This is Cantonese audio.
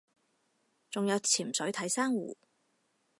仲有潛水睇珊瑚